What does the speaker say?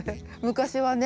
昔はね